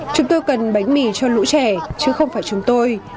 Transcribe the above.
chúng tôi cần bánh mì cho lũ trẻ chứ không phải chúng tôi